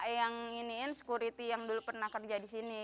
yang iniin security yang dulu pernah kerja di sini